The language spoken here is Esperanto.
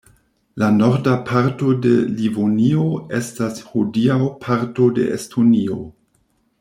La norda parto de Livonio estas hodiaŭ parto de Estonio.